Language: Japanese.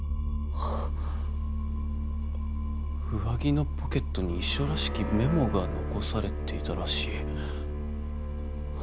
上着のポケットに遺書らしきメモが残されていたらしい。